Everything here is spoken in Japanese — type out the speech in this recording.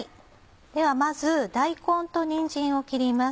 ではまず大根とにんじんを切ります。